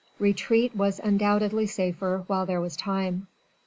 Retreat was undoubtedly safer while there was time.